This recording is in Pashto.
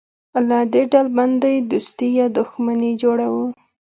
له دې ډلبندۍ دوستي یا دښمني جوړوو.